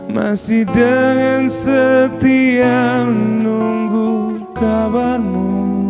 masih dengan setia menunggu kabarmu